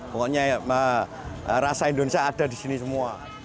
pokoknya rasa indonesia ada di sini semua